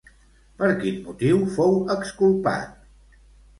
Per quin motiu fou exculpat?